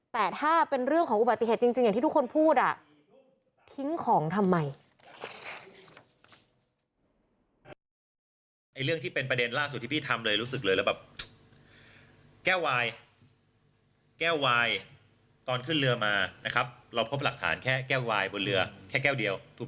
แต่ถ้าเป็นเรื่องของอุบัติเหตุจริงอย่างที่ทุกคนพูด